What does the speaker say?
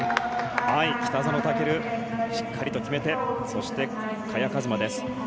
北園丈琉、しっかりと決めてそして、萱和磨です。